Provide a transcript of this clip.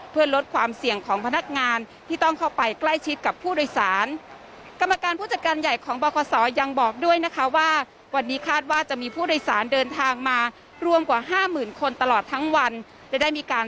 เพื่อลดความเสี่ยงของพนักงานที่ต้องเข้าไปใกล้ชิดกับผู้โดยสาร